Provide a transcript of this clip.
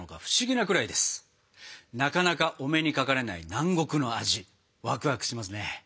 なかなかお目にかかれない南国の味わくわくしますね。